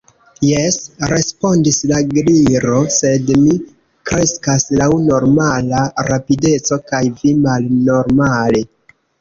"Jes," respondis la Gliro. "Sed mi kreskas laŭ normala rapideco, kaj vi malnormale!"